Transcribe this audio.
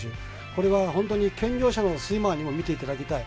これは本当に健常者のスイマーにも見ていただきたい。